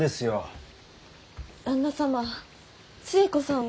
旦那様寿恵子さんは。